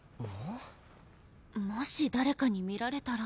もし誰かに見られたら。